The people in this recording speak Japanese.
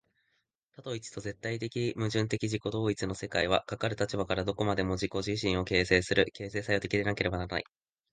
多と一との絶対矛盾的自己同一の世界は、かかる立場からはどこまでも自己自身を形成する、形成作用的でなければならない。